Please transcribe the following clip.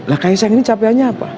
khaesang ini capaiannya apa